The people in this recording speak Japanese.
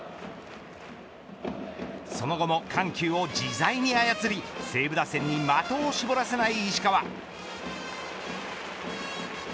その後も緩急を自在に操り西武打線に的を絞らせない石川。